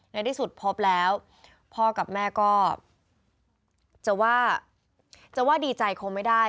ในที่สุดพบแล้วพ่อกับแม่ก็จะว่าจะว่าดีใจคงไม่ได้